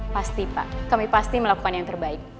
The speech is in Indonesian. pasti pak kami pasti melakukan yang terbaik